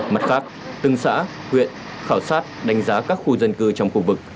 mặt khác từng xã huyện khảo sát đánh giá các khu dân cư trong khu vực